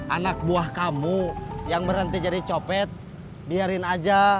anak buah kamu yang berhenti jadi copet biarin aja